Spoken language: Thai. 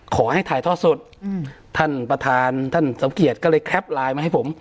ขอให้ถ่ายท่อสดท่านประธานท่านสมเกียจก็เลยแคปไลน์มาให้ผม